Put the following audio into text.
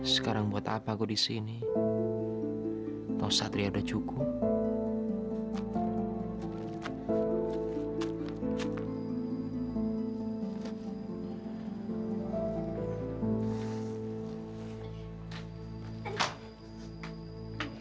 sampai jumpa di video selanjutnya